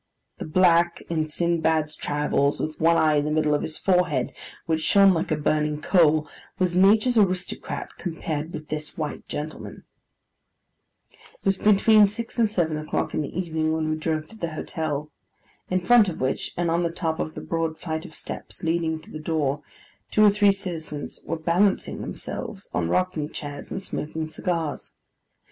The black in Sinbad's Travels with one eye in the middle of his forehead which shone like a burning coal, was nature's aristocrat compared with this white gentleman. [Picture: Black and White] It was between six and seven o'clock in the evening, when we drove to the hotel: in front of which, and on the top of the broad flight of steps leading to the door, two or three citizens were balancing themselves on rocking chairs, and smoking cigars.